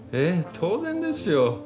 当然ですよ。